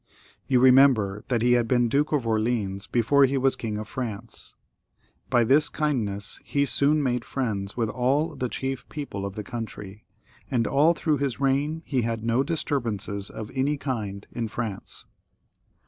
You remember that he had been Duke of Orleans before he was King of France. By this kindness he soon made friends with all the chief people of the country, and all through his reign he had no disturbances of any kind in France.